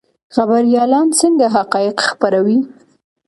خبریالان څنګه حقایق خپروي؟